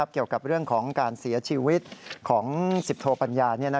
เกี่ยวกับเรื่องของการเสียชีวิตของ๑๐โทปัญญา